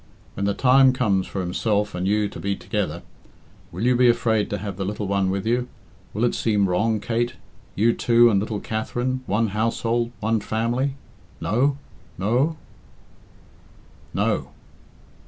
"When the time comes for himself and you to be together, will you be afraid to have the little one with you will it seem wrong, Kate you two and little Katherine one household one family no? n o?" "No."